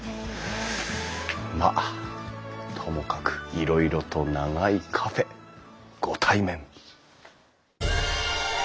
まあともかくいろいろと長いカフェご対面！